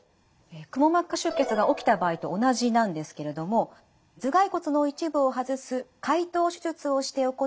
くも膜下出血が起きた場合と同じなんですけれども頭蓋骨の一部を外す開頭手術をして行うクリッピング術。